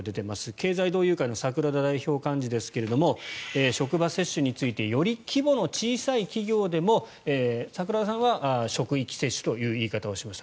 経済同友会の桜田代表幹事ですが職場接種についてより規模の小さい企業でも桜田さんは職域接種という言い方をしました。